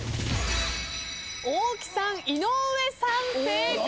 大木さん井上さん正解。